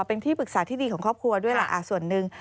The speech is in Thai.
เป็นที่ปรึกษาที่ดีของครอบครัวด้วยล่ะส่วนหนึ่ง